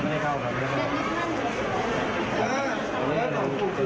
อ๋อในวิทยาลัยนี่เป็นตำรวจที่มันเข้ามาตรู